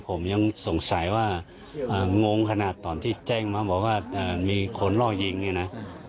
ผมยังสงสัยว่างงขนาดตอนที่แจ้งมาบอกว่ามีคนล่อยิงเนี่ยนะ